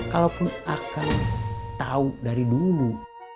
kalaupun akan tahu dari dulu